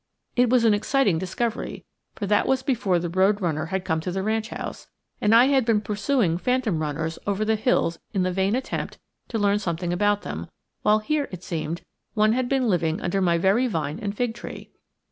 It was an exciting discovery, for that was before the road runner had come to the ranch house, and I had been pursuing phantom runners over the hills in the vain attempt to learn something about them; while here, it seemed, one had been living under my very vine and fig tree!